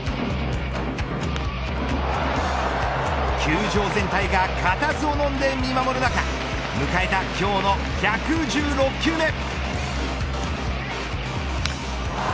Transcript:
球場全体がかたずをのんで見守る中迎えた今日の１１６球目。